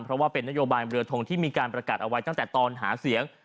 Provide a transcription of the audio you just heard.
เพราะว่าเป็นนโยบายเรือทงที่มีการประกาศเอาไว้ตั้งแต่ตอนหาเสียง